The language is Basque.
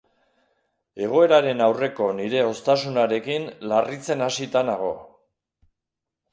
Egoeraren aurreko nire hoztasunarekin larritzen hasita nago.